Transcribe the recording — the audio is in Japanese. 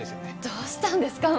どうしたんですか？